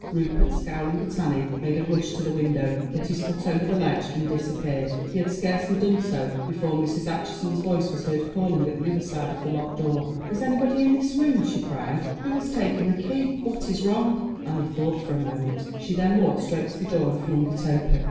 Rupert, scowling at Annie, made a rush to the window, put his foot over the ledge and disappeared. He had scarcely done so before Mrs. Acheson's voice was heard calling at the other side of the locked door. "Is anybody in this room?" she cried. "Who has taken the key? What is wrong?" Annie thought for a moment; she then walked straight to the door and flung it open.